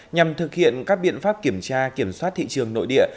nhằm thực hiện các biện pháp kiểm tra kiểm soát thị trường nội địa